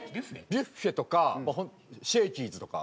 ビュッフェとかシェーキーズとか。